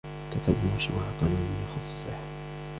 كتبوا مشروع قانون يخص الصحة